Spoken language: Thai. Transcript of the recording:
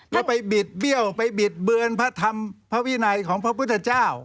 แล้วไปบิดเบี้ยวไปบิดเบือนพระธรรมพระวินัยของพระพุทธเจ้า